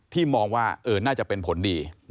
มองว่าน่าจะเป็นผลดี